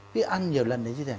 cứ ăn nhiều lần như thế này